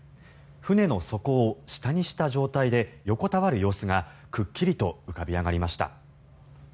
船の底を下にした状態で横たわる様子がくっきりと浮かび上がりました。